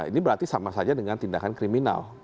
ini berarti sama saja dengan tindakan kriminal